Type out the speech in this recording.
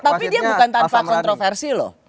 tapi dia bukan tanpa kontroversi loh